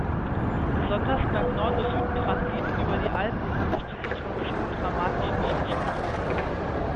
Besonders beim Nord-SüdTransit über die Alpen hat sich die Situation dramatisch verschlechtert.